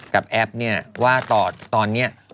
กับแอฟว่าตอนนี้